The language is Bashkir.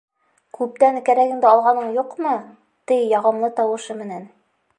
Күптән кәрәгеңде алғаның юҡмы? — ти яғымлы тауышы менән.